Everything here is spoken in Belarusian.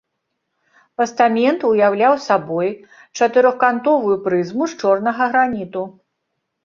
Пастамент уяўляў сабой чатырохкантовую прызму з чорнага граніту.